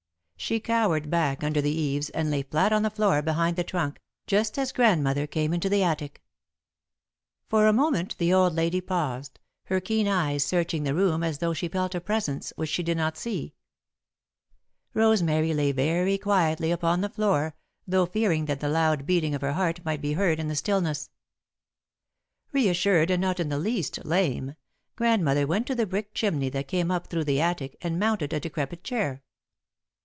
She cowered back under the eaves and lay flat on the floor behind the trunk, just as Grandmother came into the attic. [Sidenote: Hidden Gold] For a moment the old lady paused, her keen eyes searching the room as though she felt a presence which she did not see. Rosemary lay very quietly upon the floor, though fearing that the loud beating of her heart might be heard in the stillness. Reassured, and not in the least lame, Grandmother went to the brick chimney that came up through the attic, and mounted a decrepit chair.